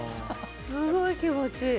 すごい気持ちいい。